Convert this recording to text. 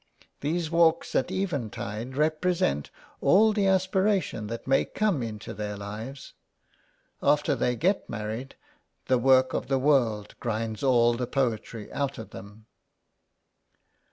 These walks at eventide represent all the aspiration that may come into their lives. After they get married, the work of the world grinds all the poetry out of them."